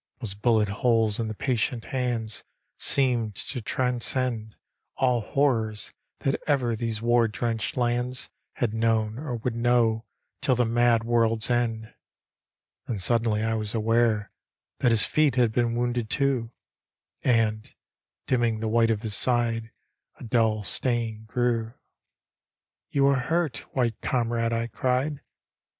Those bullet holes in the patient hands. Seemed to transcend All horrors that ever these war drenched lands Had known or would know till the mad world's end. llien suddenly I was aware That his feet had been wounded too; And, dimming the white of his side, A dull stain grew, " You are hurt, White Comrade I " I cried.